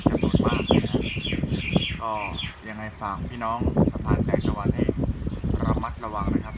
จังหวัดมากนะครับก็ยังให้ฝากพี่น้องสะพานแจกตะวันให้ระมัดระหว่างนะครับ